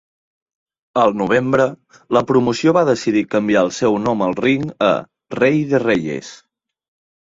Al novembre, la promoció va decidir canviar el seu nom al ring a "Rey de Reyes".